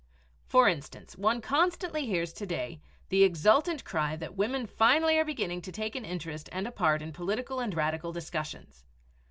For instance, one constantly hears to day the exultant cry that women finally are beginning to take an interest and a part in political and radical discussions.